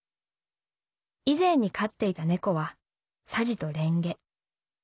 以前に飼っていた猫はサジとレンゲ。